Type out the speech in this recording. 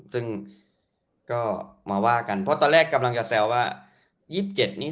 ซึ่งก็มาว่ากันเพราะตอนแรกกำลังจะแซวว่า๒๗นี้